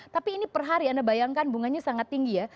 tapi ini per hari anda bayangkan bunganya sangat tinggi ya